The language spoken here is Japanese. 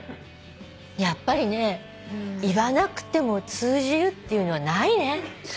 やっぱりね言わなくても通じるっていうのはないね。